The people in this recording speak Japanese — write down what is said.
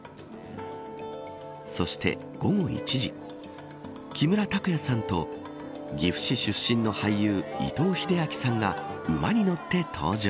そして午後１時木村拓哉さんと岐阜市出身の俳優伊藤英明さんが馬に乗って登場。